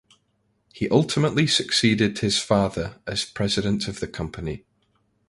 He ultimately succeeded his father as president of the company.